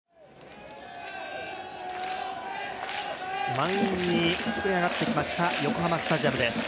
満員に膨れ上がってきました横浜スタジアムです。